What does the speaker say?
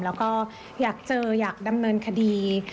แล้วก็อยากเจออยากดำเนินคดี